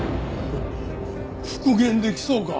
復元出来そうか？